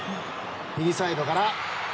右サイドから。